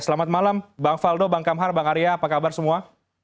selamat malam bang faldo bang kamhar bang arya apa kabar semua